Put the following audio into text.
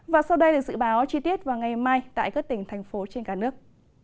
và sau đây là dự báo chi tiết vào ngày mai tại các tỉnh thành phố trên cả nước